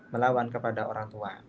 melawan kepada orang tua